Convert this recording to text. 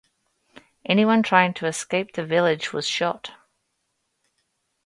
Anyone trying to escape the village was shot.